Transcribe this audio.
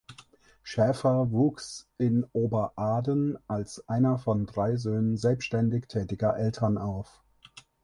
Schäfer wuchs in Oberaden als einer von drei Söhnen selbstständig tätiger Eltern auf.